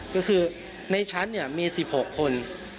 ก็คือในชั้นมี๑๖คน